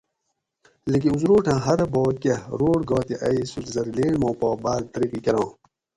لکہ اُزروٹاۤں ہرہ بھاگ کہ روڈ گا تے ائ سویٔٹزر لینڈ ما پا باۤر ترقی کراں